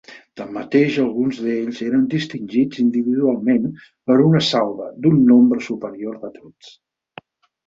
Tanmateix alguns d'ells eren distingits individualment per una salva d'un nombre superior de trets.